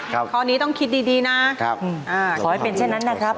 ครับครับข้อนี้ต้องคิดดีนะขอให้เป็นเช่นนั้นนะครับ